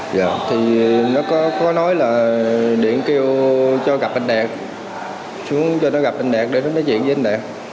dạ thì nó có nói là điện kêu cho gặp anh đạt xuống cho nó gặp anh đạt để nó nói chuyện với anh đạt